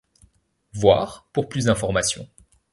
Voir pour plus d'informations.